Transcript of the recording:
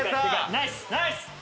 ナイスナイス！